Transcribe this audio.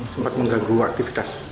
sempat mengganggu aktivitas